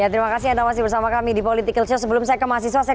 ya terima kasih ada masih bersama kami di politik sejauh sebelum saya ke mahasiswa saya